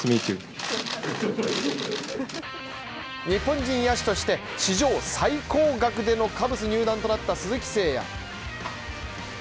日本人野手として、史上最高額でのカブス入団となった鈴木誠也。